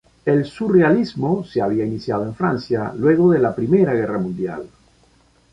El surrealismo se había iniciado en Francia luego de la Primera Guerra Mundial.